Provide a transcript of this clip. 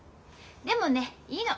でもねいいの。